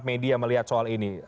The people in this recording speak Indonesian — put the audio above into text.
media melihat soal ini